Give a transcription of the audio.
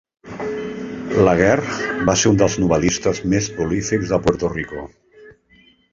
Laguerre va ser un dels novel·listes més prolífics de Puerto Rico.